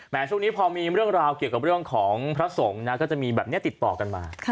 ช่วงนี้พอมีเรื่องราวเกี่ยวกับเรื่องของพระสงฆ์นะก็จะมีแบบนี้ติดต่อกันมา